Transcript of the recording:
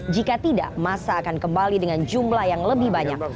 jika tidak masa akan kembali dengan jumlah yang lebih banyak